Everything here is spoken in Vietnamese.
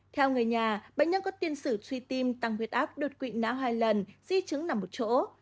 theo người nhà bệnh nhân có tiên sử suy tim tăng huyết áp đột quỵ não hai lần di chứng nằm một chỗ